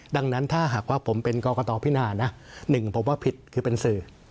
ดังนั้นถ้าหากว่าผมเป็นกรกตพินานะหนึ่งผมว่าผิดคือเป็นสื่อ